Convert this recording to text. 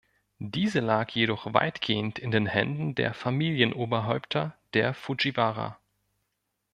Diese lag jedoch weitgehend in den Händen der Familienoberhäupter der Fujiwara.